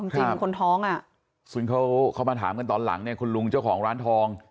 จริงคนท้องอ่ะซึ่งเขามาถามกันตอนหลังเนี่ยคุณลุงเจ้าของร้านทอง